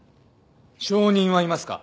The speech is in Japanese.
証人はいますか？